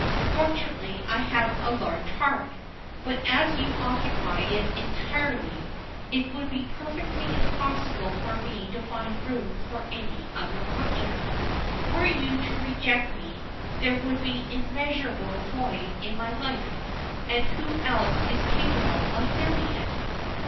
Fortunately, I have a large heart; but as you occupy it entirely, it would be perfectly impossible for me to find room for any other object. Were you to reject me, there would be an immeasurable void in my life, and who else is capable of filling it?"